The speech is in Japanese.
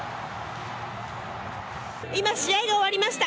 今、試合が終わりました。